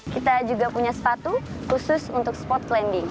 kita juga punya sepatu khusus untuk sports climbing